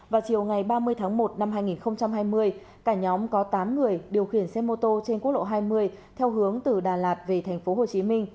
vào chiều ngày ba mươi tháng một năm hai nghìn hai mươi cả nhóm có tám người điều khiển xe mô tô trên quốc lộ hai mươi theo hướng từ đà lạt về tp hcm